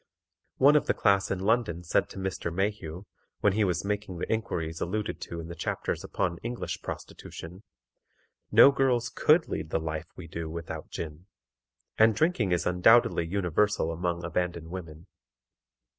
One of the class in London said to Mr. Mayhew, when he was making the inquiries alluded to in the chapters upon English prostitution, "No girls COULD lead the life we do without gin;" and drinking is undoubtedly universal among abandoned women.